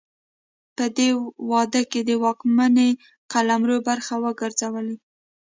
په دې واده کې د واکمنۍ قلمرو برخه وګرځولې.